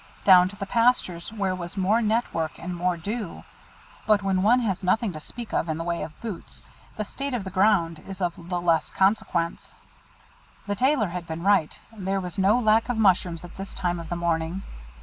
Down to the pastures, where was more network and more dew, but when one has nothing to speak of in the way of boots, the state of the ground is of the less consequence. The Tailor had been right, there was no lack of mushrooms at this time of the morning.